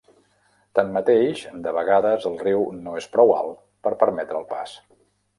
Tanmateix, de vegades, el riu no és prou alt per permetre el pas.